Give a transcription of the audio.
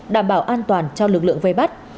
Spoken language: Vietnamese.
đảm bảo an toàn cho lực lượng vây bắt